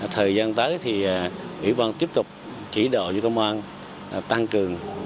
thời gian tới thì ủy ban tiếp tục chỉ đạo cho công an tăng cường